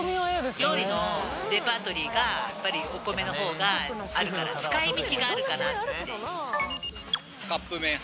料理のレパートリーがやっぱりお米のほうがあるから、使いみちがカップ麺派。